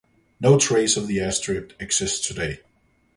No trace of the airstrip exists today.